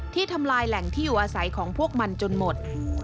ทำลายแหล่งที่อยู่อาศัยของพวกมันจนหมด